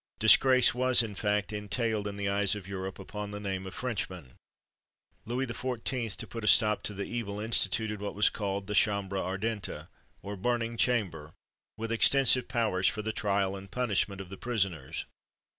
Disgrace was, in fact, entailed, in the eyes of Europe, upon the name of Frenchman. Louis XIV., to put a stop to the evil, instituted what was called the Chambre Ardente, or Burning Chamber, with extensive powers for the trial and punishment of the prisoners.